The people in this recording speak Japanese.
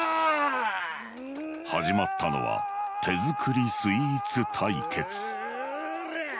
始まったのは手作りスイーツ対決うぅらぁ！